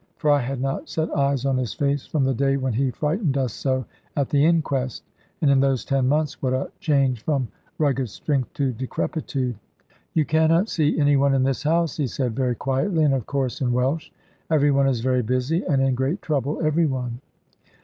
For I had not set eyes on his face from the day when he frightened us so at the Inquest; and in those ten months, what a change from rugged strength to decrepitude! "You cannot see any one in this house," he said very quietly, and of course in Welsh; "every one is very busy, and in great trouble every one."